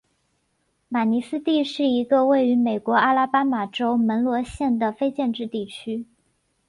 马尼斯蒂是一个位于美国阿拉巴马州门罗县的非建制地区。